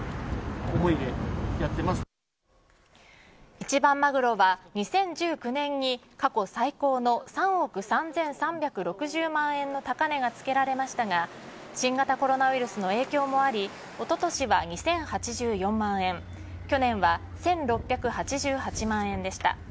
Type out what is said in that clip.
一番マグロは２０１９年に、過去最高の３億３３６０万円の高値がつけられましたが新型コロナウイルスの影響もありおととしは２０８４万円去年は１６８８万円でした。